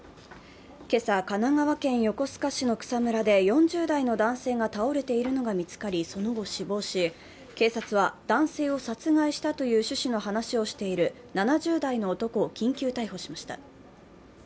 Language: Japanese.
今朝、神奈川県横須賀市の草むらで４０代の男性が倒れているのが見つかりその後死亡し、警察は男性を殺害したという趣旨の話をしている７０代の男を緊急逮捕しました。